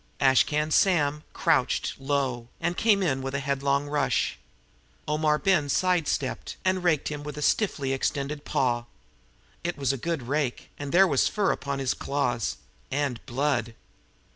Ash Can Sam crouched low and came in with a headlong rush. Omar Ben side stepped and raked him with a stiffly extended paw. It was a good rake, and there was fur upon his claws and blood.